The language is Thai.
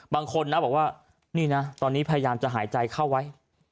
บางคนที่พยายามจะหายใจเข้าไว้